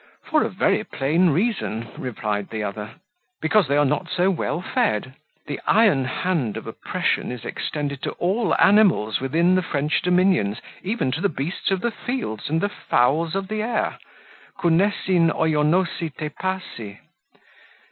"For a very plain reason," replied the other; "because they are not so well fed. The iron hand of oppression is extended to all animals within the French dominions, even to the beasts of the field and the fowls of the air; kunessin oionoisi te pasi."